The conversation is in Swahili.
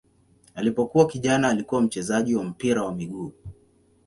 Alipokuwa kijana alikuwa mchezaji wa mpira wa miguu.